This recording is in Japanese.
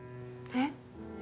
えっ？